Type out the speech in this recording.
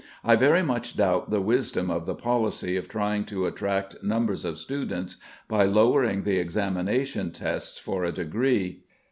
I very much doubt the wisdom of the policy of trying to attract numbers of students by lowering the examination tests for a degree.